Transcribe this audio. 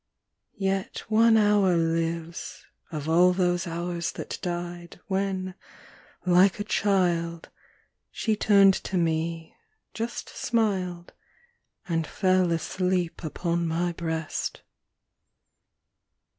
Yet one hour lives, of all those hours that died, When, like a child, She turned to me, just smiled, And fell asleep upon mv breast.